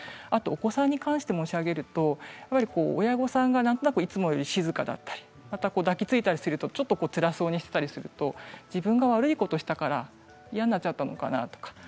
お子さんに関しては親御さんがなんとなくいつもより静かだったり抱きついたらちょっとつらそうにしていると自分が悪いことをしたから嫌になっちゃったのかなとか。